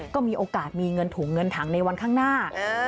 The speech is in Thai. ก็มีโอกาสมีเงินถุงเงินถังในวันข้างหน้า